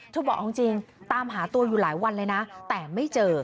เธอบอกว่าตามหาตัวอยู่หลายวันเลยนะแต่ไม่เจอ